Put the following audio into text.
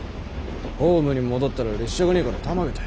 ホームに戻ったら列車がねぇからたまげた。